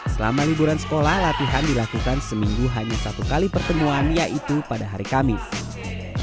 selama liburan sekolah latihan dilakukan seminggu hanya satu kali pertemuan yaitu pada hari kamis